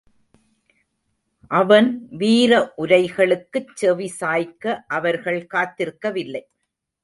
அவன் வீர உரைகளுக்குச் செவி சாய்க்க அவர்கள் காத்திருக்கவில்லை.